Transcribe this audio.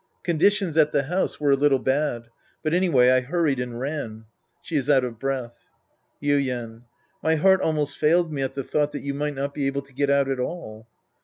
Conditions at the house were a little bad. But anyway I hurried and ran. {She is out of breath^ Yuien. My heart almost failed me at the thought that you might not be able to get out at all.